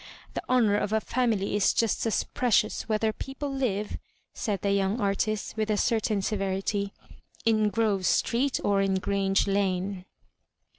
The ho nour of a family is just as precious whether peo ■ pie live," said the young artist, with a certain severity, " in Grove Street or in Grange Lane."